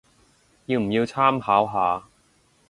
要唔要參考下